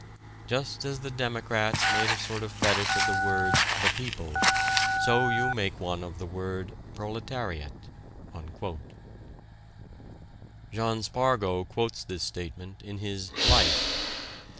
Just as the democrats made a sort of fetich of the words, 'the people,' so you make one of the word 'proletariat.'" John Spargo quotes this statement in his "Life."